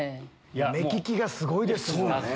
目利きがすごいですもん。